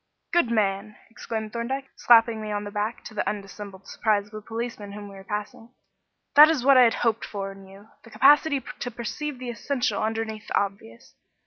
"Good man!" exclaimed Thorndyke, slapping me on the back, to the undissembled surprise of a policeman whom we were passing; "that is what I had hoped for in you the capacity to perceive the essential underneath the obvious.